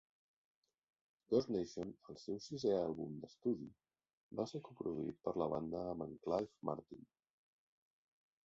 "Ghost Nation", el seu sisè àlbum d'estudi, va ser co-produït per la banda amb en Clive Martin.